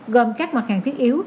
gồm các mặt hàng thiết yếu